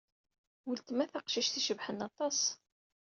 Weltma taqcict icebḥen aṭas.